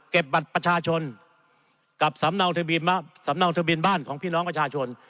เก็บบัตรประชาชนกับสำนักบินบ้านของพี่น้องประชาชน